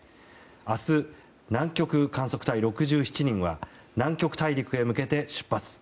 明日、南極観測隊６７人は南極大陸へ向けて出発。